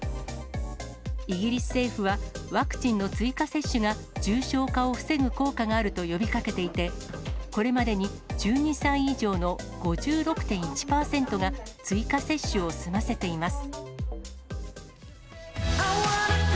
イギリス政府は、ワクチンの追加接種が重症化を防ぐ効果があると呼びかけていて、これまでに１２歳以上の５６．１％が、追加接種を済ませています。